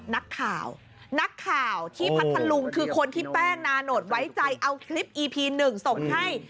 นักข่าวนักข่าวที่พัทธลุงคือคนที่แป้งนาโนตไว้ใจเอาคลิปอีพีหนึ่งส่งให้